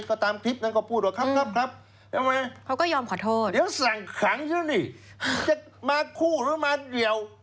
เขาตามคลิปนั้นก็พูดอย่างไร